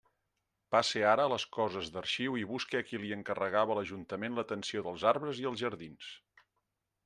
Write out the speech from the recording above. Passe ara a les coses d'arxiu i busque a qui li encarregava l'ajuntament l'atenció dels arbres i els jardins.